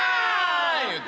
言うて。